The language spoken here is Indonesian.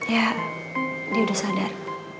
ya dia sudah sadar